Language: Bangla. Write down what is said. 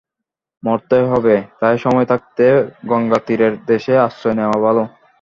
মরতেই হবে, তাই সময় থাকতে গঙ্গাতীরের দেশে আশ্রয় নেওয়া ভালো।